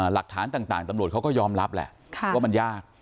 หลักฐานต่างตำรวจเขาก็ยอมรับแหละว่ามันยาก